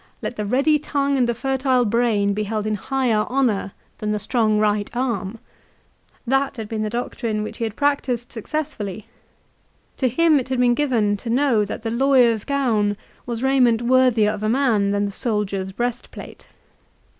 " Let the ready tongue and the fertile brain be held in higher honour than the strong right arm." That had been the doctrine which he had practised successfully. To him it had been given to know that the lawyer's gown was raiment worthier of a man C I LI CIA. 121 than the soldier's breastplate.